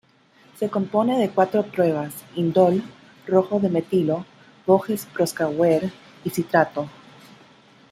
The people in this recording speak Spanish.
Se compone de cuatro pruebas: Indol, Rojo de metilo, Voges-Proskauer y Citrato.